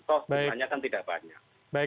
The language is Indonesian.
so pertanyaannya kan tidak banyak